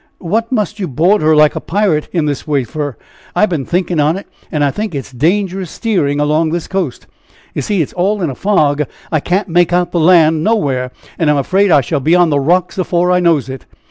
What must you board her like a pirate in this way fur? I've been a thinkin' on it, and I think it's dangerous steering along this coast. You see it's all in a fog; I can't make out the land nowhere, and I'm afraid I shall be on the rocks afore I knows it.